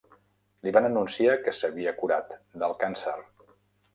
Li van anunciar que s'havia curat del càncer.